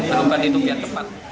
penumbukan itu biar tepat